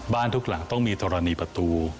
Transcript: ทุกหลังต้องมีธรณีประตู